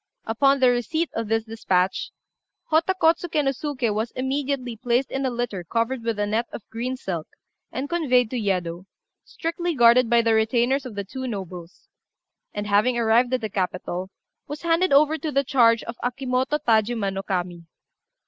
Upon the receipt of this despatch, Hotta Kôtsuké nô Suké was immediately placed in a litter covered with a net of green silk, and conveyed to Yedo, strictly guarded by the retainers of the two nobles; and, having arrived at the capital, was handed over to the charge of Akimoto Tajima no Kami.